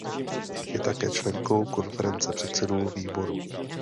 Je také členkou konference předsedů výborů.